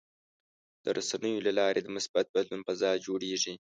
د رسنیو له لارې د مثبت بدلون فضا جوړېږي.